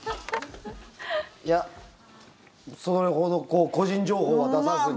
いやそれほど個人情報は出さずに。